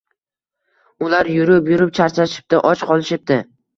Ular yurib-yurib charchashibdi, och qolishibdi.